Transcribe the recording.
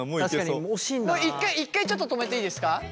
１回１回ちょっと止めていいですか。